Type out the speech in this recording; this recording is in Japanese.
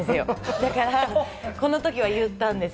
だから、この時は言ったんです。